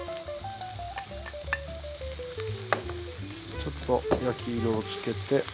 ちょっと焼き色を付けて。